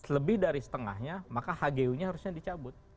lebih dari setengahnya maka hgu nya harusnya dicabut